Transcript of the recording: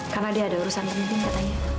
karena dia ada urusan penting katanya